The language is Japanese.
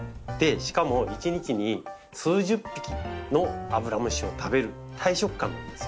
しかも一日に数十匹のアブラムシを食べる大食漢なんですよ。